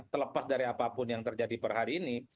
terlepas dari apapun yang terjadi per hari ini